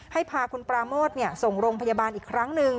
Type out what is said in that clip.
ให้พาคุณปราโมทส่งโรงพยาบาลอีกครั้งหนึ่ง